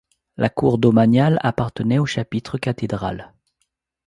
La cour domaniale appartenait au chapitre cathédral.